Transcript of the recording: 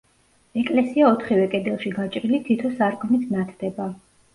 ეკლესია ოთხივე კედელში გაჭრილი თითო სარკმლით ნათდება.